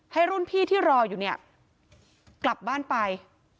ให้รุ่นพี่ที่รออยู่เนี่ยกลับบ้านไป